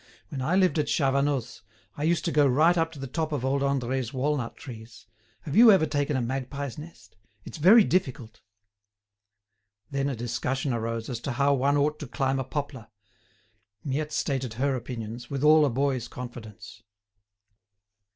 "When I lived at Chavanoz, I used to go right up to the top of old Andre's walnut trees. Have you ever taken a magpie's nest? It's very difficult!" Then a discussion arose as to how one ought to climb a poplar. Miette stated her opinions, with all a boy's confidence.